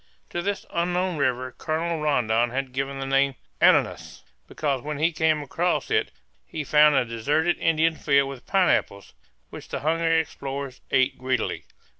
To this unknown river Colonel Rondon had given the name Ananas, because when he came across it he found a deserted Indian field with pineapples, which the hungry explorers ate greedily.